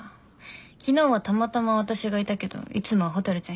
昨日はたまたま私がいたけどいつもは蛍ちゃん